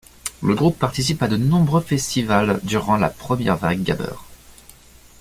Le groupe participe à de nombreux festivals durant la première vague gabber.